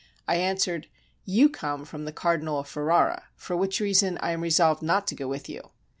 I answered, " You come from the Car dinal of Ferrara, for which reason I am resolved not to go with you."